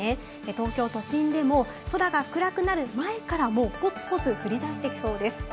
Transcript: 東京都心でも空が暗くなる前からもうポツポツ降り出してきそうです。